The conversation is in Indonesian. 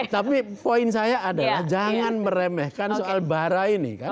tapi poin saya adalah jangan meremehkan soal bara ini kan